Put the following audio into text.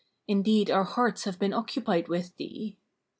Indeed our hearts have been occupied with thee.'